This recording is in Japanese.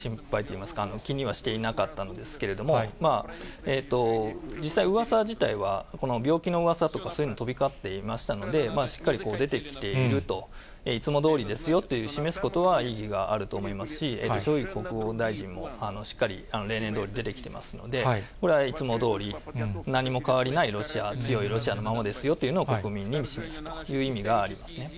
これは私は特に心配と言いますか、気にはしていなかったんですけれども、実際、うわさ自体は、病気のうわさとか、そういうの飛び交っていましたので、しっかり出てきていると、いつもどおりですよと示すことは意義があると思いますし、ショイグ国防大臣もしっかり例年どおり出てきていますので、これはいつもどおり、何も変わりない、ロシアは強いままですよというのを、国民に示すという意味がありますね。